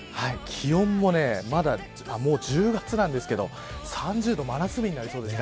気温も、もう１０月なんですけど３０度、真夏日になりそうです。